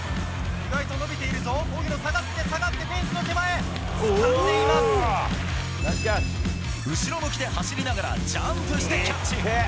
意外と伸びているぞ、荻野下がって、下がって、フェンスの手前、後ろ向きで走りながら、ジャンプしてキャッチ。